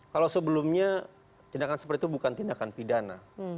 kalau sebelumnya tindakan seperti itu bukan tindakan pidana